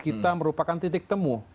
kita merupakan titik temu